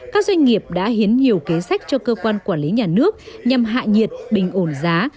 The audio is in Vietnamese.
các doanh nghiệp đã hiến hiểu kế sách cho cơ quan quản lý nhà nước nhằm hạ nhiệt bình ổn giá